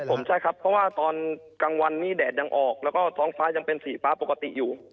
ผมใช่ครับเพราะว่าตอนกลางวันนี้แดดยังออกแล้วก็ท้องฟ้ายังเป็นสีฟ้าปกติอยู่